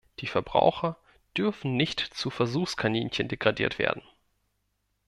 Die Verbraucher dürfen nicht zu Versuchskaninchen degradiert werden.